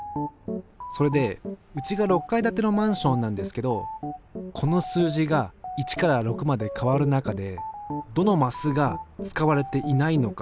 それでうちが６階建てのマンションなんですけどこの数字が１から６まで変わる中でどのマスが使われていないのか？